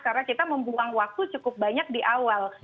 karena kita membuang waktu cukup banyak di awal